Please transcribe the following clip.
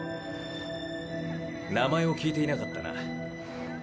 名前を聞いていなかったな。